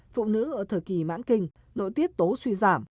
phụ nữ ở thời kỳ mãn kinh nội tiết tố suy giảm